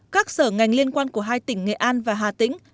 các sở ngành liên quan của hai tỉnh nghệ an và hà tĩnh